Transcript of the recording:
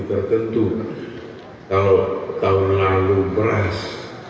kalau tahun lalu beras